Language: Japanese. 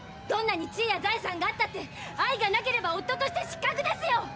どんなに地位や財産があったって愛がなければ夫として失格ですよ。